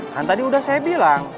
kan tadi udah saya bilang